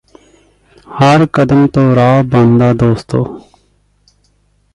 ਹਰ ਕਦਮ ਤੋਂ ਰਾਹ ਬਣਦਾ ਦੋਸਤੋ